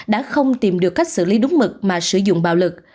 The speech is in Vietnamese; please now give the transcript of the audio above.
đã không tìm được cách xử lý đúng mực mà sử dụng bạo lực